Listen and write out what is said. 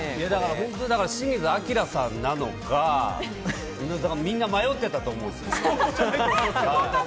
清水アキラさんなのか、みんな迷っていたと思うんですよ。